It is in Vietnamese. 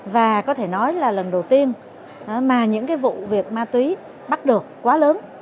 và có thể nói là lần đầu tiên mà những cái vụ việc ma túy bắt được quá lớn